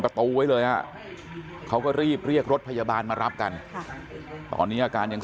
ประตูไว้เลยฮะเขาก็รีบเรียกรถพยาบาลมารับกันตอนนี้อาการยัง